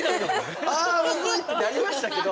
あむずいってなりましたけど。